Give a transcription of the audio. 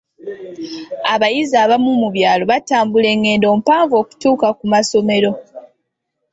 Abayizi abamu mu byalo batambula enngendo mpanvu okutuuka ku masomero.